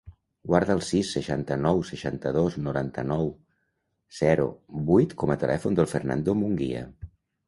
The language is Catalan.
Guarda el sis, seixanta-nou, seixanta-dos, noranta-nou, zero, vuit com a telèfon del Fernando Munguia.